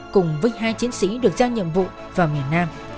cùng với hai chiến sĩ được giao nhiệm vụ vào miền nam